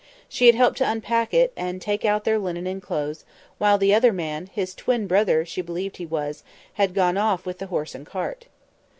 She had helped to unpack it, and take out their linen and clothes, when the other man—his twin brother, she believed he was—had gone off with the horse and cart.